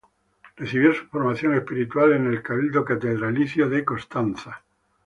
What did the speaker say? Recibió su formación espiritual en el Cabildo catedralicio de Constanza.